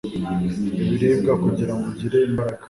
ibiribwa kugira ngo ugire imbaraga